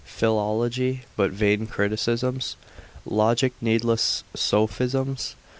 philology, but vain criticisms? logic, needless sophisms?